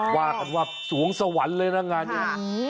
กว่ากันว่าสวงสวรรค์เลยนั่งงานเนี่ย